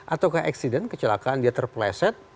atau ke accident kecelakaan dia terpeleset